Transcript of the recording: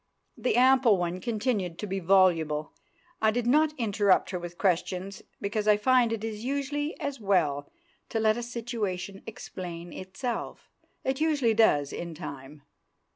The ample one continued to be voluble. I did not interrupt her with questions, because I find it is usually as well to let a situation explain itself; it usually does in time.